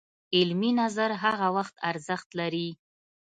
علمي نظر هغه وخت ارزښت لري